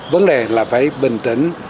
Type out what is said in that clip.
vấn đề là phải bình tĩnh